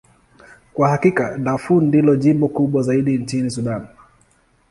Kwa hakika, Darfur ndilo jimbo kubwa zaidi nchini Sudan.